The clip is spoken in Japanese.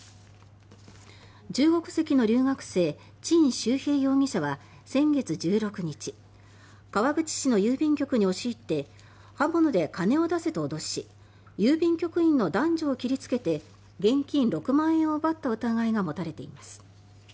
中国籍の留学生チン・シュウヘイ容疑者は先月１６日川口市の郵便局に押し入って刃物で金を出せと脅し郵便局員の男女を切りつけて現金６万円を奪った疑いが持たれています。